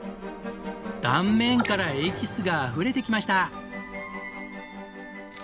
断面からエキスがあふれてきました。